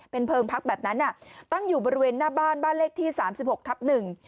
เพลิงพักแบบนั้นอ่ะตั้งอยู่บริเวณหน้าบ้านบ้านเลขที่สามสิบหกทับหนึ่ง